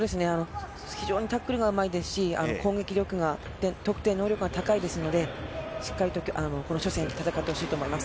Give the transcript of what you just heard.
非常にタックルがうまいですし得点能力が高いのでしっかりこの初戦を戦ってほしいと思います。